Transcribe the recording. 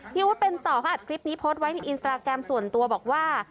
พี่อู๋เป็นต่อค่ะคลิปนี้โพสต์ไว้ในอินสตาร์แกรมส่วนตัวบอกว่า